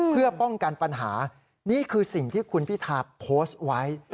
เพื่อป้องกันปัญหานี่คือสิ่งที่คุณพิธาโพสต์ไว้